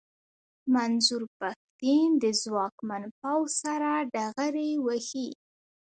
منظور پښتين د ځواکمن پوځ سره ډغرې وهي.